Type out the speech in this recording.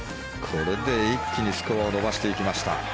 これで一気にスコアを伸ばしていきました。